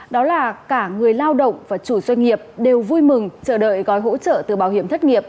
đó là cả người lao động và chủ doanh nghiệp đều vui mừng chờ đợi gói hỗ trợ từ bảo hiểm thất nghiệp